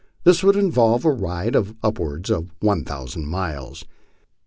This would involve a ride of up wards of one thousand miles.